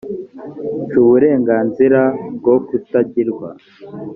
c uburenganzira bwo kutagirwa